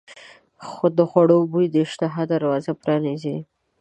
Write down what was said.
د خوړو بوی د اشتها دروازه پرانیزي.